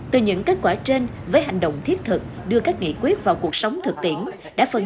từ những kết quả trên với hành động thiết thực đưa các nghị quyết vào cuộc sống thực tiễn đã phần